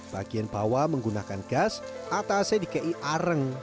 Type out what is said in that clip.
bagian bawah menggunakan gas atasnya dikaih areng